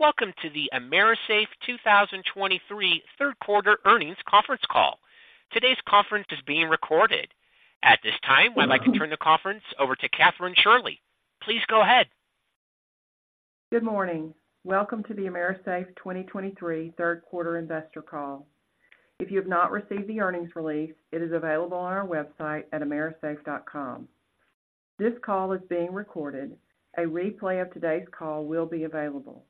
Welcome to the AMERISAFE 2023 third quarter earnings conference call. Today's conference is being recorded. At this time, I'd like to turn the conference over to Kathryn Shirley. Please go ahead. Good morning. Welcome to the AMERISAFE 2023 third quarter investor call. If you have not received the earnings release, it is available on our website at amerisafe.com. This call is being recorded. A replay of today's call will be available.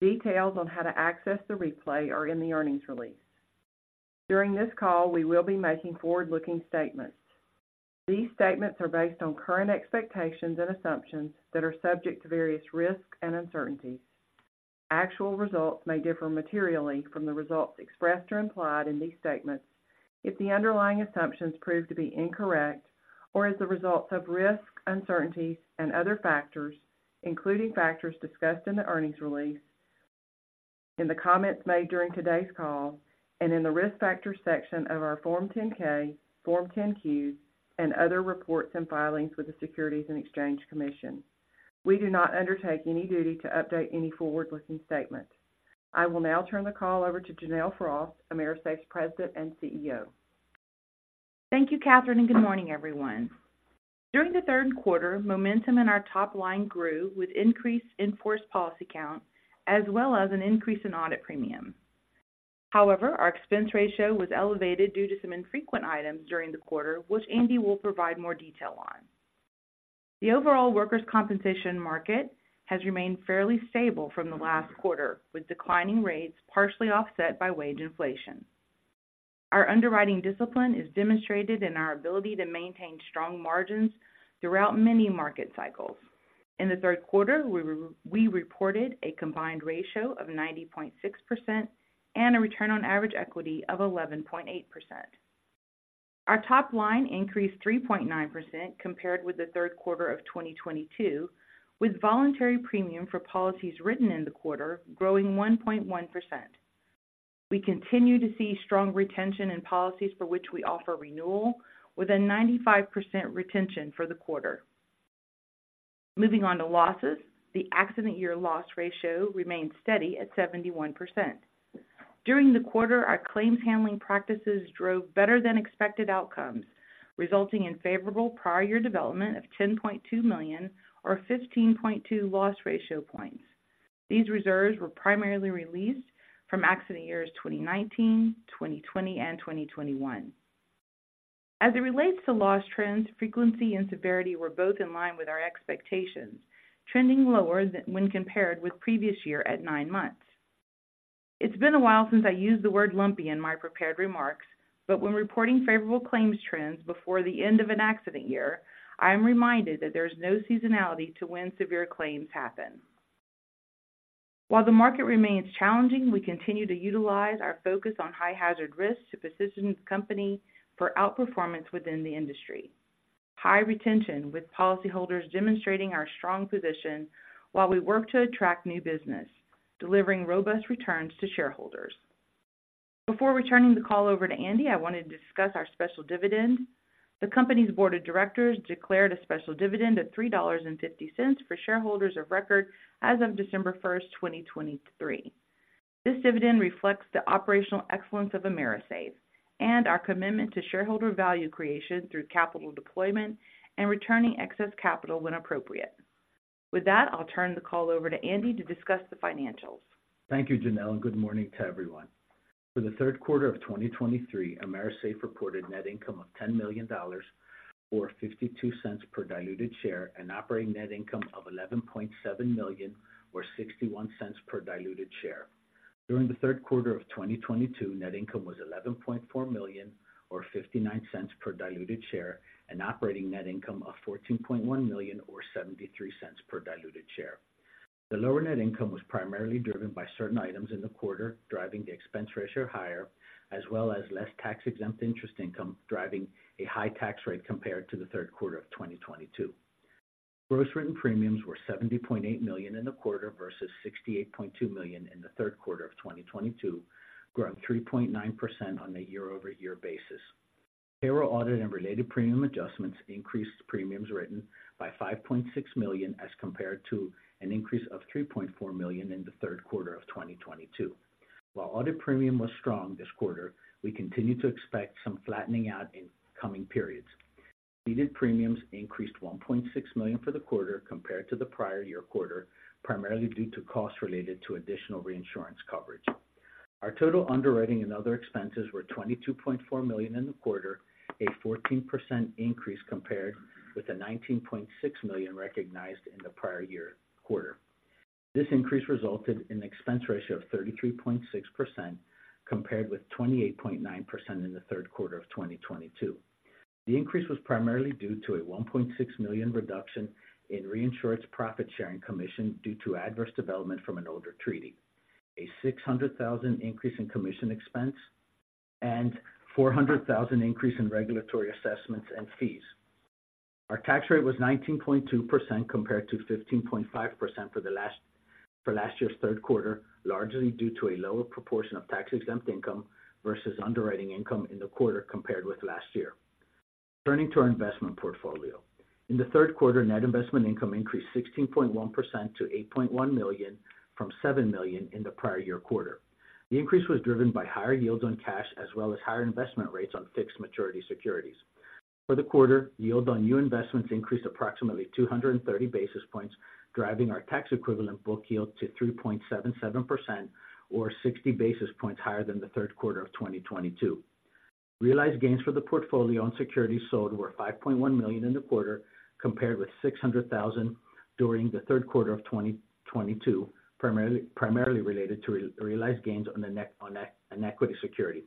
Details on how to access the replay are in the earnings release. During this call, we will be making forward-looking statements. These statements are based on current expectations and assumptions that are subject to various risks and uncertainties. Actual results may differ materially from the results expressed or implied in these statements, if the underlying assumptions prove to be incorrect or as a result of risks, uncertainties, and other factors, including factors discussed in the earnings release, in the comments made during today's call, and in the Risk Factors section of our Form 10-K, Form 10-Qs, and other reports and filings with the Securities and Exchange Commission. We do not undertake any duty to update any forward-looking statements. I will now turn the call over to Janelle Frost, AMERISAFE's President and CEO. Thank you, Kathryn, and good morning, everyone. During the third quarter, momentum in our top line grew with increased in-force policy count as well as an increase in audit premium. However, our expense ratio was elevated due to some infrequent items during the quarter, which Andy will provide more detail on. The overall workers' compensation market has remained fairly stable from the last quarter, with declining rates partially offset by wage inflation. Our underwriting discipline is demonstrated in our ability to maintain strong margins throughout many market cycles. In the third quarter, we reported a combined ratio of 90.6% and a return on average equity of 11.8%. Our top line increased 3.9% compared with the third quarter of 2022, with voluntary premium for policies written in the quarter growing 1.1%. We continue to see strong retention in policies for which we offer renewal, with a 95% retention for the quarter. Moving on to losses. The accident year loss ratio remained steady at 71%. During the quarter, our claims handling practices drove better-than-expected outcomes, resulting in favorable prior year development of $10.2 million, or 15.2 loss ratio points. These reserves were primarily released from accident years 2019, 2020, and 2021. As it relates to loss trends, frequency and severity were both in line with our expectations, trending lower than when compared with previous year at nine months. It's been a while since I used the word lumpy in my prepared remarks, but when reporting favorable claims trends before the end of an accident year, I am reminded that there's no seasonality to when severe claims happen. While the market remains challenging, we continue to utilize our focus on high hazard risks to position the company for outperformance within the industry. High retention, with policyholders demonstrating our strong position while we work to attract new business, delivering robust returns to shareholders. Before returning the call over to Andy, I wanted to discuss our special dividend. The company's board of directors declared a special dividend of $3.50 for shareholders of record as of December 1st, 2023. This dividend reflects the operational excellence of AMERISAFE and our commitment to shareholder value creation through capital deployment and returning excess capital when appropriate. With that, I'll turn the call over to Andy to discuss the financials. Thank you, Janelle, and good morning to everyone. For the third quarter of 2023, AMERISAFE reported net income of $10 million, or $0.52 per diluted share, and operating net income of $11.7 million, or $0.61 per diluted share. During the third quarter of 2022, net income was $11.4 million or $0.59 per diluted share, and operating net income of $14.1 million or $0.73 per diluted share. The lower net income was primarily driven by certain items in the quarter, driving the expense ratio higher, as well as less tax-exempt interest income, driving a high tax rate compared to the third quarter of 2022. Gross written premiums were $70.8 million in the quarter versus $68.2 million in the third quarter of 2022, growing 3.9% on a year-over-year basis. Payroll audit and related premium adjustments increased premiums written by $5.6 million, as compared to an increase of $3.4 million in the third quarter of 2022. While audit premium was strong this quarter, we continue to expect some flattening out in coming periods. Ceded premiums increased $1.6 million for the quarter compared to the prior year quarter, primarily due to costs related to additional reinsurance coverage. Our total underwriting and other expenses were $22.4 million in the quarter, a 14% increase compared with the $19.6 million recognized in the prior year quarter. This increase resulted in an expense ratio of 33.6%, compared with 28.9% in the third quarter of 2022. The increase was primarily due to a $1.6 million reduction in reinsurance profit-sharing commission due to adverse development from an older treaty, a $600,000 increase in commission expense, and $400,000 increase in regulatory assessments and fees. Our tax rate was 19.2%, compared to 15.5% for last year's third quarter, largely due to a lower proportion of tax-exempt income versus underwriting income in the quarter compared with last year. Turning to our investment portfolio. In the third quarter, net investment income increased 16.1% to $8.1 million from $7 million in the prior year quarter. The increase was driven by higher yields on cash, as well as higher investment rates on fixed maturity securities. For the quarter, yields on new investments increased approximately 230 basis points, driving our tax equivalent book yield to 3.77% or 60 basis points higher than the third quarter of 2022. Realized gains for the portfolio on securities sold were $5.1 million in the quarter, compared with $600,000 during the third quarter of 2022, primarily related to realized gains on equity security.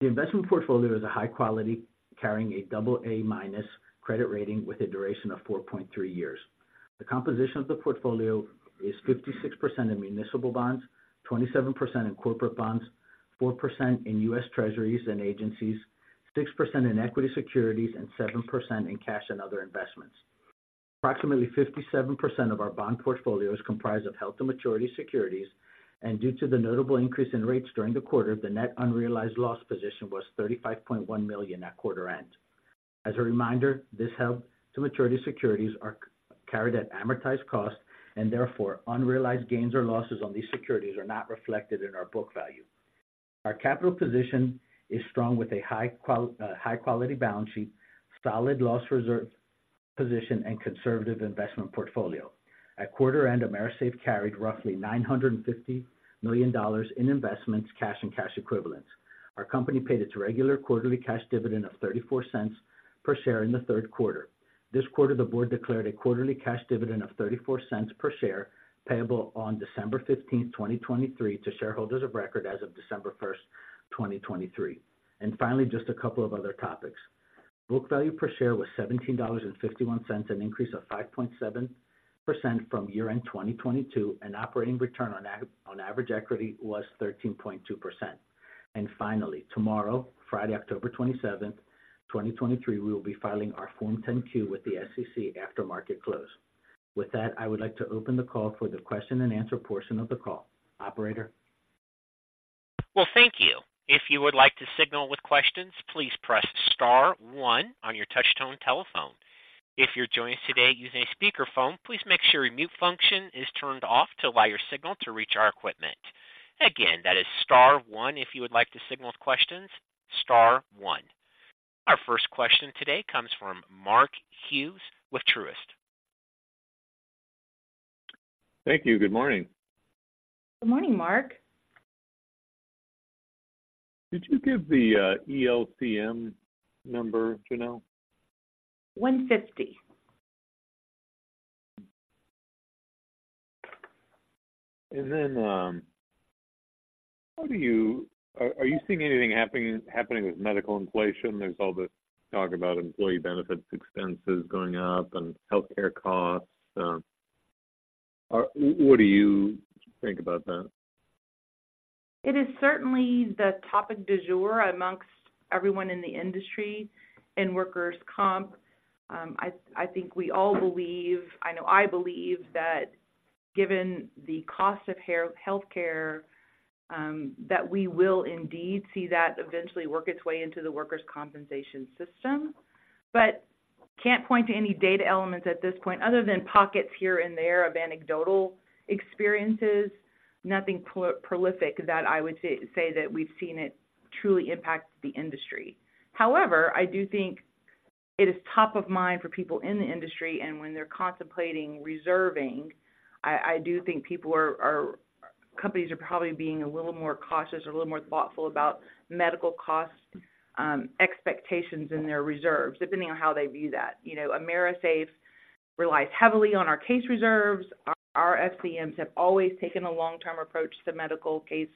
The investment portfolio is a high quality, carrying a AA- credit rating with a duration of 4.3 years. The composition of the portfolio is 56% in municipal bonds, 27% in corporate bonds, 4% in US Treasuries and agencies, 6% in equity securities, and 7% in cash and other investments. Approximately 57% of our bond portfolio is comprised of Held-to-Maturity Securities, and due to the notable increase in rates during the quarter, the net unrealized loss position was $35.1 million at quarter end. As a reminder, these Held-to-Maturity Securities are carried at amortized cost, and therefore unrealized gains or losses on these securities are not reflected in our book value. Our capital position is strong, with a high-quality balance sheet, solid loss reserve position, and conservative investment portfolio. At quarter end, AMERISAFE carried roughly $950 million in investments, cash and cash equivalents. Our company paid its regular quarterly cash dividend of $0.34 per share in the third quarter. This quarter, the board declared a quarterly cash dividend of $0.34 per share, payable on December 15, 2023, to shareholders of record as of December 1st, 2023. And finally, just a couple of other topics. Book value per share was $17.51, an increase of 5.7% from year-end 2022, and operating return on average equity was 13.2%. And finally, tomorrow, Friday, October 27, 2023, we will be filing our Form 10-Q with the SEC after market close. With that, I would like to open the call for the question and answer portion of the call. Operator? Well, thank you. If you would like to signal with questions, please press star one on your touchtone telephone. If you're joining us today using a speakerphone, please make sure your mute function is turned off to allow your signal to reach our equipment. Again, that is star one if you would like to signal with questions, star one. Our first question today comes from Mark Hughes with Truist. Thank you. Good morning. Good morning, Mark. Did you give the ELCM number, Janelle? One fifty. And then, how do you... Are you seeing anything happening with medical inflation? There's all this talk about employee benefits expenses going up and healthcare costs. What do you think about that? It is certainly the topic du jour amongst everyone in the industry in workers' comp. I think we all believe, I know, I believe that given the cost of healthcare, that we will indeed see that eventually work its way into the workers' compensation system, but can't point to any data elements at this point other than pockets here and there of anecdotal experiences. Nothing prolific that I would say that we've seen it truly impact the industry. However, I do think it is top of mind for people in the industry, and when they're contemplating reserving, I do think people are companies are probably being a little more cautious or a little more thoughtful about medical cost expectations in their reserves, depending on how they view that. You know, AMERISAFE relies heavily on our case reserves. Our FCMs have always taken a long-term approach to medical case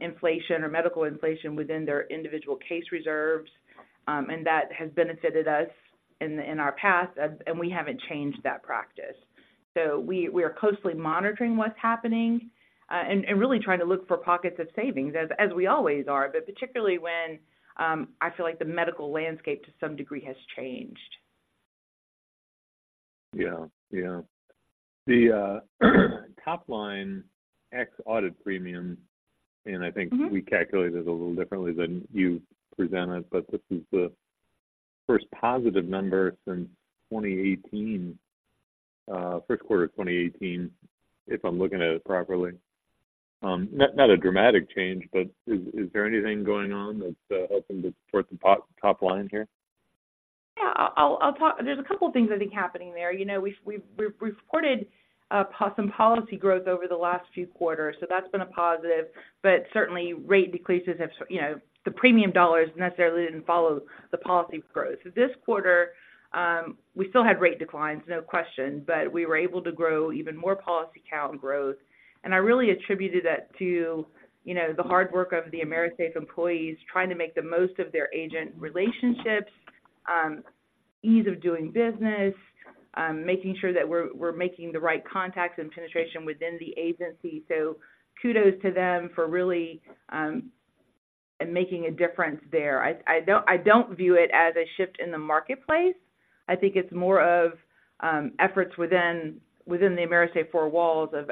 inflation or medical inflation within their individual case reserves. That has benefited us in our past, and we haven't changed that practice. We are closely monitoring what's happening, and really trying to look for pockets of savings, as we always are, but particularly when I feel like the medical landscape to some degree has changed. Yeah. Yeah. The top-line ex audit premium, and I think- Mm-hmm. We calculate it a little differently than you presented, but this is the first positive number since 2018, first quarter of 2018, if I'm looking at it properly. Not a dramatic change, but is there anything going on that's helping to support the top line here? Yeah, I'll talk... There's a couple of things I think are happening there. You know, we've reported some policy growth over the last few quarters, so that's been a positive, but certainly rate decreases have, you know, the premium dollars necessarily didn't follow the policy growth. So this quarter, we still had rate declines, no question, but we were able to grow even more policy count growth. And I really attributed that to, you know, the hard work of the AMERISAFE employees trying to make the most of their agent relationships, ease of doing business, making sure that we're making the right contacts and penetration within the agency. So kudos to them for really making a difference there. I don't view it as a shift in the marketplace.... I think it's more of efforts within, within the AMERISAFE four walls of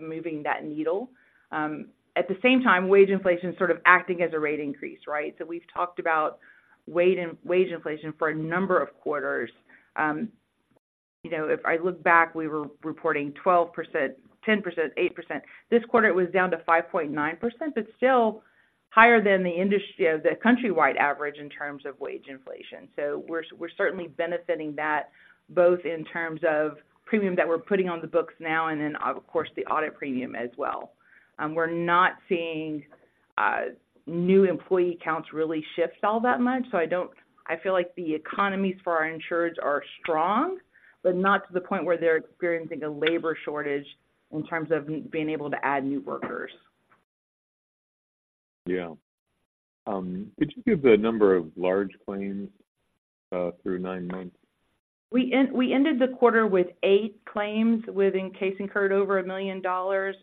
moving that needle. At the same time, wage inflation is sort of acting as a rate increase, right? So we've talked about wage inflation for a number of quarters. You know, if I look back, we were reporting 12%, 10%, 8%. This quarter, it was down to 5.9%, but still higher than the industry, the countrywide average in terms of wage inflation. So we're certainly benefiting that, both in terms of premium that we're putting on the books now and then, of course, the audit premium as well. We're not seeing new employee counts really shift all that much, so I don't... I feel like the economies for our insurers are strong, but not to the point where they're experiencing a labor shortage in terms of being able to add new workers. Yeah. Could you give the number of large claims through nine months? We ended the quarter with eight claims within case incurred over $1 million.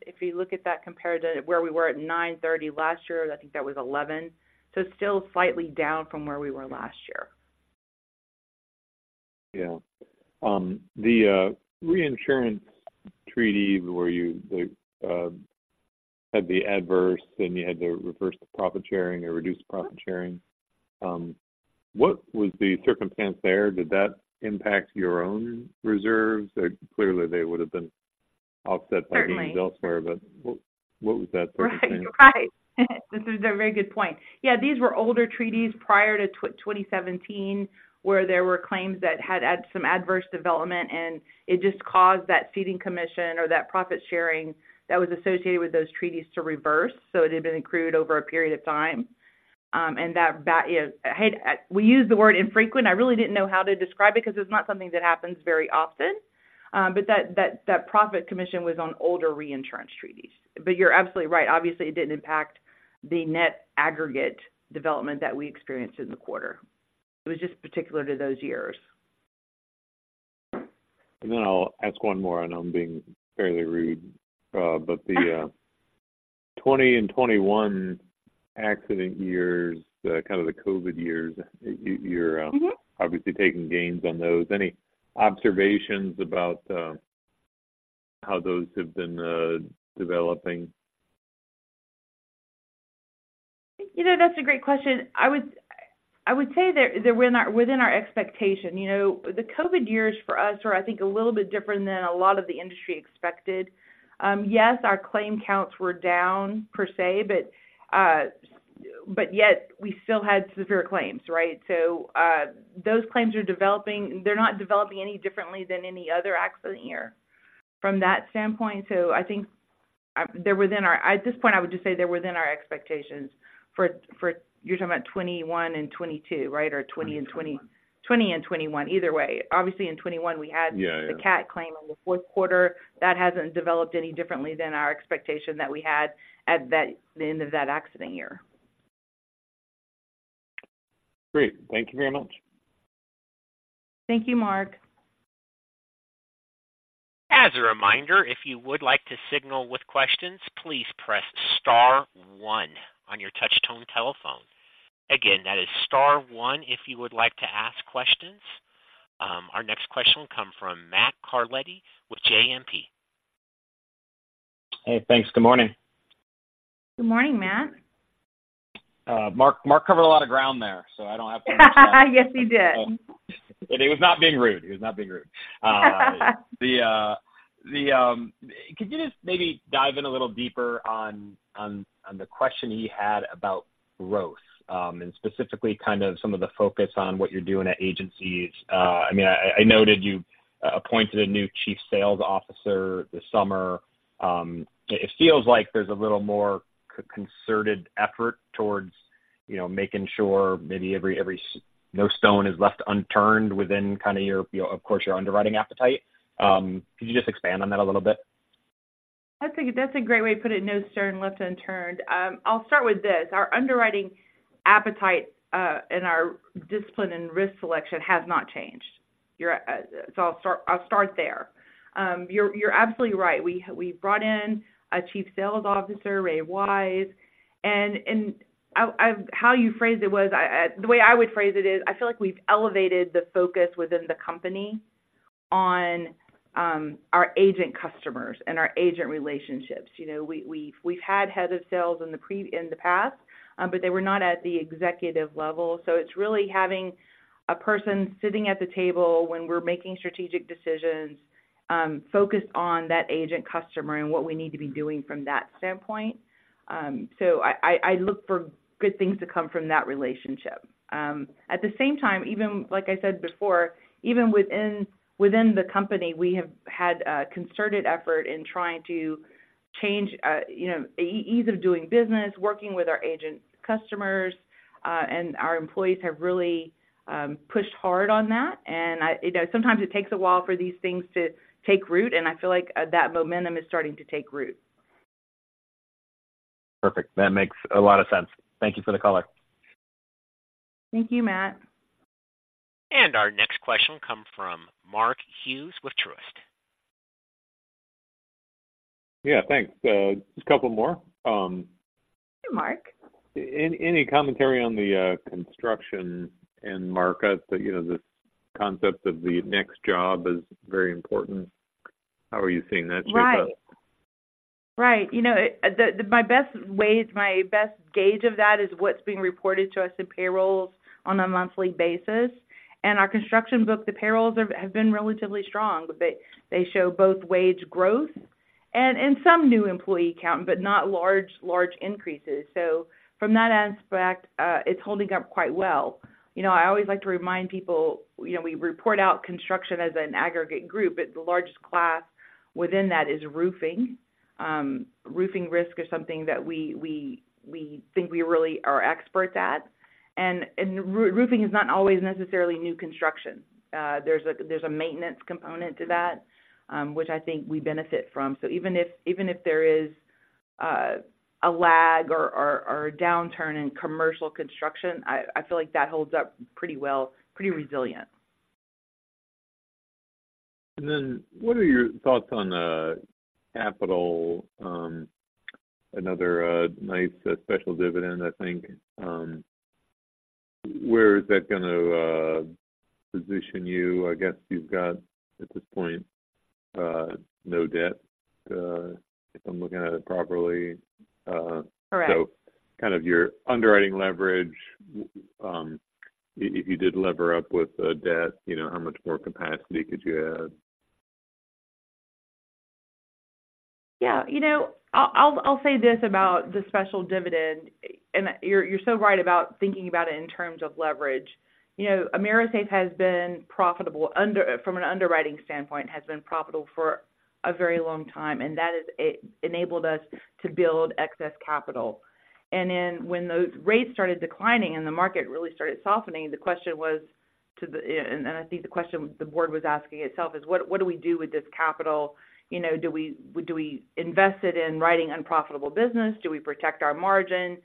If you look at that compared to where we were at 9/30 last year, I think that was 11. So still slightly down from where we were last year. Yeah. The reinsurance treaty where you had the adverse and you had to reverse the profit sharing or reduce the profit sharing, what was the circumstance there? Did that impact your own reserves? Clearly, they would have been offset by- Certainly elsewhere, but what, what was that circumstance? Right. This is a very good point. Yeah, these were older treaties prior to 2017, where there were claims that had had some adverse development, and it just caused that ceding commission or that profit sharing that was associated with those treaties to reverse. So it had been accrued over a period of time, and that is... We use the word infrequent. I really didn't know how to describe it because it's not something that happens very often, but that, that, that profit commission was on older reinsurance treaties. But you're absolutely right. Obviously, it didn't impact the net aggregate development that we experienced in the quarter. It was just particular to those years. Then I'll ask one more. I know I'm being fairly rude, but the 2020 and 2021 accident years, kind of the COVID years, you're- Mm-hmm... obviously taking gains on those. Any observations about how those have been developing? You know, that's a great question. I would, I would say they're, they're within our, within our expectation. You know, the COVID years for us are, I think, a little bit different than a lot of the industry expected. Yes, our claim counts were down per se, but, but yet we still had severe claims, right? So, those claims are developing, they're not developing any differently than any other accident year from that standpoint. So I think, they're within our expectations. At this point, I would just say they're within our expectations. For, for, you're talking about 2021 and 2022, right? Or 2020 and 2020 and 2021, either way. Obviously, in 2021, we had- Yeah, yeah... the cat claim in the fourth quarter. That hasn't developed any differently than our expectation that we had at the end of that accident year. Great. Thank you very much. Thank you, Mark. As a reminder, if you would like to signal with questions, please press star one on your touch tone telephone. Again, that is star one if you would like to ask questions. Our next question will come from Matt Carletti with JMP. Hey, thanks. Good morning. Good morning, Matt. Mark, Mark covered a lot of ground there, so I don't have to- Yes, he did. He was not being rude. He was not being rude. Could you just maybe dive in a little deeper on the question he had about growth, and specifically kind of some of the focus on what you're doing at agencies? I mean, I noted you appointed a new chief sales officer this summer. It feels like there's a little more concerted effort towards, you know, making sure maybe every no stone is left unturned within kind of your, of course, your underwriting appetite. Could you just expand on that a little bit? I think that's a great way to put it, no stone left unturned. I'll start with this. Our underwriting appetite and our discipline and risk selection has not changed. You're... So I'll start there. You're absolutely right. We brought in a Chief Sales Officer, Ray Wise, and I, how you phrased it was the way I would phrase it is, I feel like we've elevated the focus within the company on our agent customers and our agent relationships. You know, we've had head of sales in the past, but they were not at the executive level. So it's really having a person sitting at the table when we're making strategic decisions, focused on that agent customer and what we need to be doing from that standpoint. So I look for good things to come from that relationship. At the same time, even like I said before, even within the company, we have had a concerted effort in trying to change, you know, ease of doing business, working with our agent customers, and our employees have really pushed hard on that. You know, sometimes it takes a while for these things to take root, and I feel like that momentum is starting to take root. Perfect. That makes a lot of sense. Thank you for the color. Thank you, Matt. And our next question will come from Mark Hughes with Truist.... Yeah, thanks. Just a couple more. Sure, Mark. Any commentary on the construction and market? You know, the concept of the next job is very important. How are you seeing that shape up? Right. You know, the my best way, my best gauge of that is what's being reported to us in payrolls on a monthly basis. And our construction book, the payrolls have been relatively strong. They show both wage growth and some new employee count, but not large increases. So from that aspect, it's holding up quite well. You know, I always like to remind people, you know, we report out construction as an aggregate group, but the largest class within that is roofing. Roofing risk is something that we think we really are experts at. And roofing is not always necessarily new construction. There's a maintenance component to that, which I think we benefit from. Even if there is a lag or a downturn in commercial construction, I feel like that holds up pretty well, pretty resilient. And then what are your thoughts on capital, another nice special dividend, I think. Where is that gonna position you? I guess you've got, at this point, no debt, if I'm looking at it properly. Correct. So kind of your underwriting leverage, if you did lever up with debt, you know, how much more capacity could you add? Yeah, you know, I'll say this about the special dividend, and you're so right about thinking about it in terms of leverage. You know, AMERISAFE has been profitable from an underwriting standpoint, has been profitable for a very long time, and that has enabled us to build excess capital. And then when those rates started declining and the market really started softening, I think the question the board was asking itself is, what do we do with this capital? You know, do we invest it in writing unprofitable business? Do we protect our margin?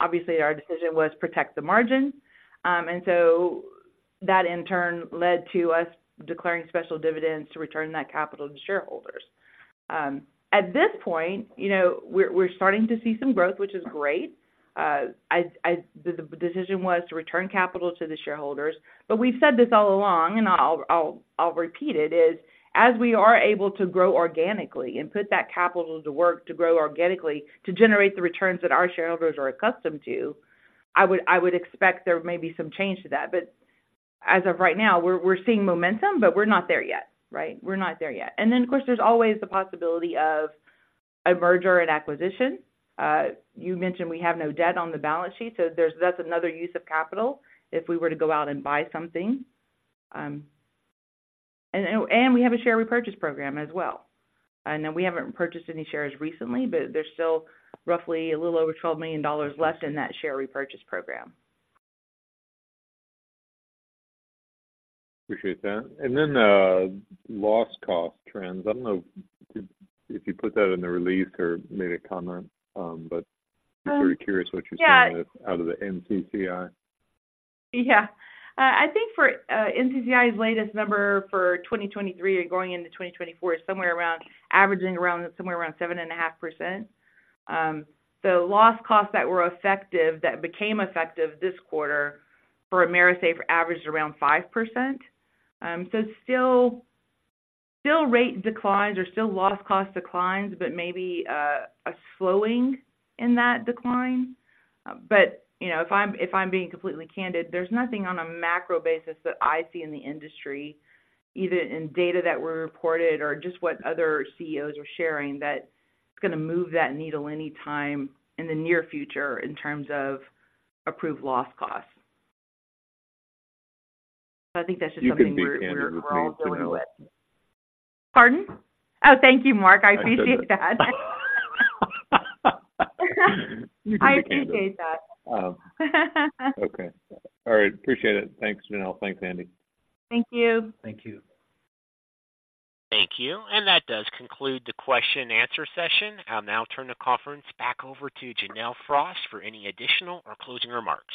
Obviously, our decision was protect the margin. And so that, in turn, led to us declaring special dividends to return that capital to shareholders. At this point, you know, we're starting to see some growth, which is great. The decision was to return capital to the shareholders. But we've said this all along, and I'll repeat it, is as we are able to grow organically and put that capital to work to grow organically, to generate the returns that our shareholders are accustomed to, I would expect there may be some change to that. But as of right now, we're seeing momentum, but we're not there yet, right? We're not there yet. And then, of course, there's always the possibility of a merger and acquisition. You mentioned we have no debt on the balance sheet, so that's another use of capital if we were to go out and buy something. And we have a share repurchase program as well. I know we haven't purchased any shares recently, but there's still roughly a little over $12 million left in that share repurchase program. Appreciate that. And then, loss cost trends. I don't know if you put that in the release or made a comment, but- Um. Just very curious what you're seeing out of the NCCI. Yeah. I think for NCCI's latest number for 2023 and going into 2024 is somewhere around, averaging around, somewhere around 7.5%. So loss costs that were effective, that became effective this quarter for AMERISAFE averaged around 5%. So still, still rate declines or still loss cost declines, but maybe a slowing in that decline. But, you know, if I'm, if I'm being completely candid, there's nothing on a macro basis that I see in the industry, either in data that were reported or just what other CEOs are sharing, that is gonna move that needle anytime in the near future in terms of approved loss costs. I think that's just something we're, we're- You can be candid with me, Janelle. Pardon? Oh, thank you, Mark. I appreciate that. You can be candid. I appreciate that. Okay. All right. Appreciate it. Thanks, Janelle. Thanks, Andy. Thank you. Thank you. Thank you. That does conclude the question and answer session. I'll now turn the conference back over to Janelle Frost for any additional or closing remarks.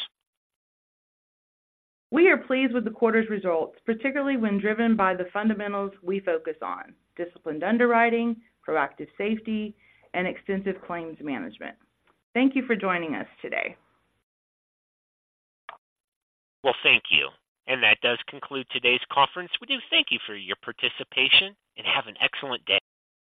We are pleased with the quarter's results, particularly when driven by the fundamentals we focus on: disciplined underwriting, proactive safety, and extensive claims management. Thank you for joining us today. Well, thank you. That does conclude today's conference. We do thank you for your participation, and have an excellent day.